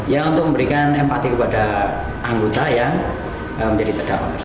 ya untuk memberikan empati kepada anggota yang menjadi terdakwa